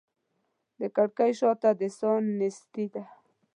د کړکۍ شاته د ساه نیستي ده